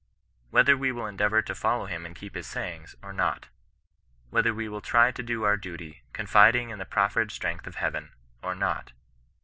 Whether we will endeavour to follow him and keep his sayings, or not. Whether we will try to do our duty, confiding in the proffered strength of Heaven, or not.